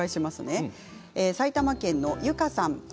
埼玉県の方です。